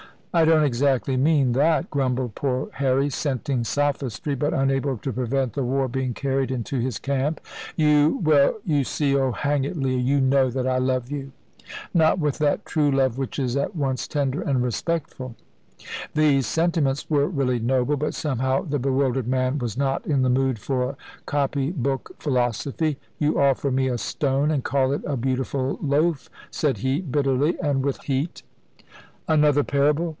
"I don't exactly mean that," grumbled poor Harry, scenting sophistry, but unable to prevent the war being carried into his camp. "You well you see Oh, hang it, Leah, you know that I love you." "Not with that true love which is at once tender and respectful." These sentiments were really noble, but somehow the bewildered man was not in the mood for copy book philosophy. "You offer me a stone and call it a beautiful loaf," said he, bitterly, and with heat. "Another parable!